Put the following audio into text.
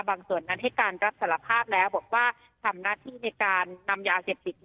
ส่วนนั้นให้การรับสารภาพแล้วบอกว่าทำหน้าที่ในการนำยาเสพติด